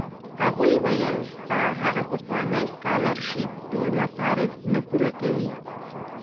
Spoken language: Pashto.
هغوی ویل ستا هغه پخوانی سکالرشېپ ټول مصارف نه پوره کوي.